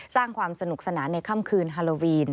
สร้างความสนุกสนานในค่ำคืนฮาโลวีน